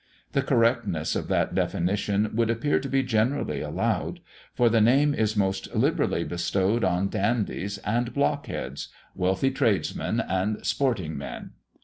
The correctness of that definition would appear to be generally allowed, for the name is most liberally bestowed on dandies and blockheads, wealthy tradesmen and sporting men.